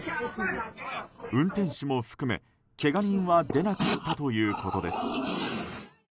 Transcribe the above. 運転手も含め、けが人は出なかったということです。